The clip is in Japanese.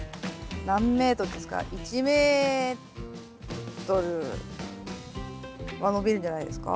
何メートルですか？は伸びるんじゃないですか。